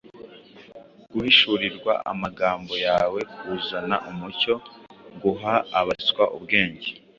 Guhishurirwa amagambo yawe kuzana umucyo, guha abaswa ubwenge.”